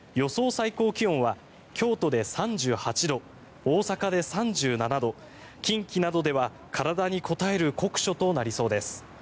最高気温は京都で３８度、大阪で３７度近畿などでは体にこたえる酷暑となりそうです。